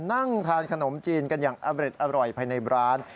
นั่งทานขนมจีนกันอย่างอเบร็ดอร่อยภายในร้าน